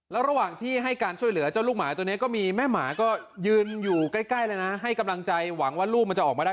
แล้วระหว่างที่ให้การช่วยเหลือเจ้าลูกหมาตัวนี้ก็มีแม่หมาก็ยืนอยู่ใกล้เลยนะให้กำลังใจหวังว่าลูกมันจะออกมาได้